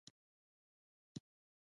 د غره ممیز ډیر ګټور دي